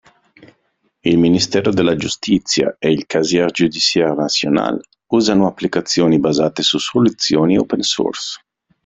Il Ministero della Giustizia e il "Casier Judiciaire National" usano applicazioni basate su soluzioni open source.